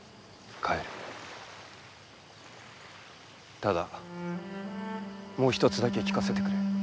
ただもう一つだけ聞かせてくれ。